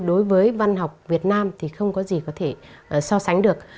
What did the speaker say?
đối với văn học việt nam thì không có gì có thể so sánh được